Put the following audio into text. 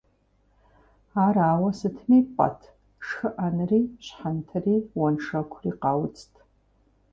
Ар ауэ сытми пӀэт, шхыӀэнри, щхьэнтэри, уэншэкури къауцт.